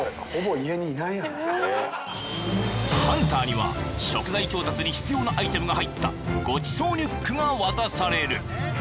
［ハンターには食材調達に必要なアイテムが入ったごちそうリュックが渡される］